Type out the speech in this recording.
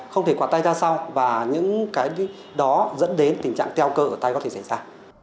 không thể quạt tay ra sau và những cái đó dẫn đến tình trạng teo cơ ở tay có thể xảy ra